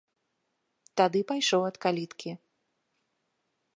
Тады пайшоў ад каліткі.